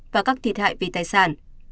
và các thiệt hại về tài sản